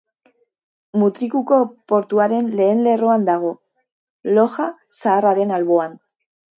Mutrikuko portuaren lehen lerroan dago, Loja Zaharraren alboan.